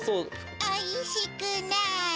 おいしくなれ！